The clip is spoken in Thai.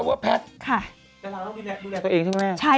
เดือนร้านร่างมีแด็กซ์ดูแลตัวเองใช่ไหมแม่ค่ะใช่